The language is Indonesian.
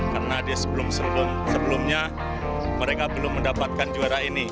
karena sebelumnya mereka belum mendapatkan juara ini